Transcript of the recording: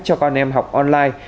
cho con em học online